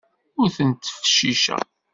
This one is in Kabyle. Ur ten-ttfecciceɣ.